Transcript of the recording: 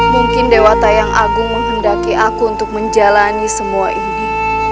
mungkin dewata yang agung menghendaki aku untuk menjalani semua ini